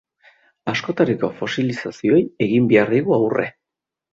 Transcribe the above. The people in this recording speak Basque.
Askotariko fosilizazioei egin behar diegu aurre.